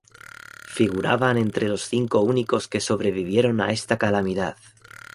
Figuraban entre los cinco únicos que sobrevivieron a esta calamidad.